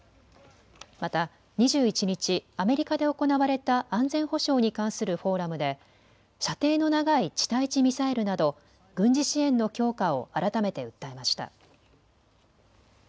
また２１日、アメリカで行われた安全保障に関するフォーラムで射程の長い地対地ミサイルなど軍事支援の強化を改めて訴えました。